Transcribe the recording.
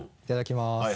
いただきます。